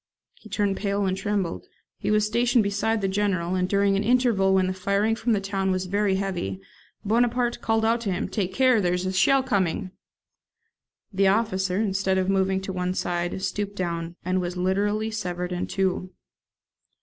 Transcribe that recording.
He turned pale and trembled. He was stationed beside the General, and during an interval when the firing from the town was very heavy, Bonaparte called out to him, "Take care, there is a shell coming!" The officer, instead of moving to one side, stooped down, and was literally severed in two.